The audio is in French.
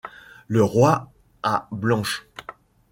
Le Roi, à Blanche.